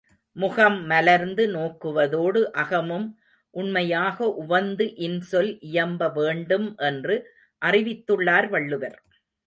முகம் மலர்ந்து நோக்குவதோடு அகமும் உண்மையாக உவந்து இன்சொல் இயம்பவேண்டும் என்று அறிவித்துள்ளார் வள்ளுவர்.